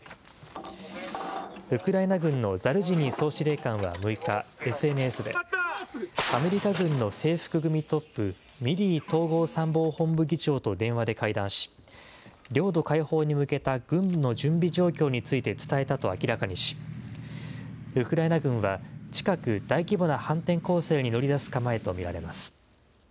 ウクライナ軍のザルジニー総司令官は６日、ＳＮＳで、アメリカ軍の制服組トップ、ミリー統合参謀本部議長と電話で会談し、領土解放に向けた軍の準備状況について伝えたと明らかにし、ウクライナ軍は近く、大規模な反転攻勢に乗り出す構えと見られます。